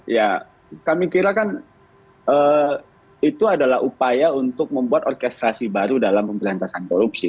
ya kami kira kan itu adalah upaya untuk membuat orkestrasi baru dalam pemberantasan korupsi